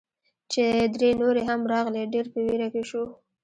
چې درې نورې هم راغلې، ډېر په ویره کې شوو.